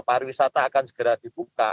pariwisata akan segera dibuka